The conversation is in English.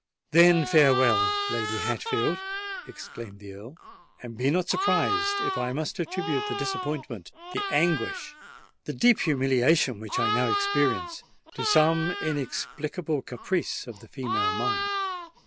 "Then farewell, Lady Hatfield," exclaimed the Earl; "and be not surprised if I must attribute the disappointment—the anguish—the deep humiliation which I now experience, to some inexplicable caprice of the female mind.